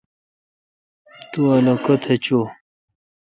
تو الو کیتھ چوں ۔